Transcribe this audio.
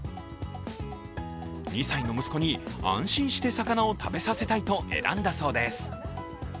２歳の息子に安心して魚を食べさせたいと選んだそうです。